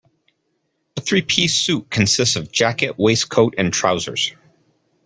A three-piece suit consists of jacket, waistcoat and trousers